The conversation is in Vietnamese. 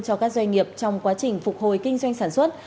cho các doanh nghiệp trong quá trình phục hồi kinh doanh sản xuất